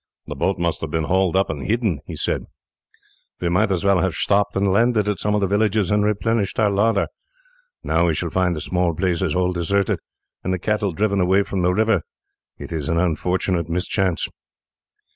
"The boat must have been hauled up and hidden," he said; "we might as well have stopped and landed at some of the villages and replenished our larder. Now we shall find the small places all deserted, and the cattle driven away from the river. It is an unfortunate mischance."